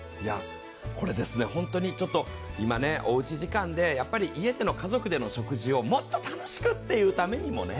これ本当に、今おうち時間で家での家族での食事をもっと楽しくというためにもね。